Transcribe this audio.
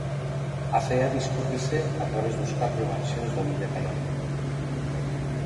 A cea discútese a través dos catro evanxeos da Biblia canónica.